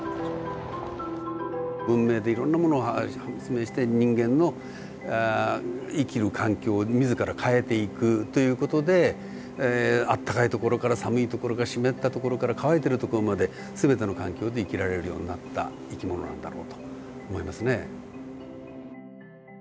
文明でいろんなものを発明して人間の生きる環境を自ら変えていくという事で暖かい所から寒い所から湿った所から乾いている所まで全ての環境で生きられるようになった生き物なんだろうと思いますね。